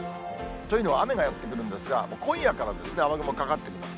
というのは、雨がやって来るんですが、今夜から雨雲かかってきます。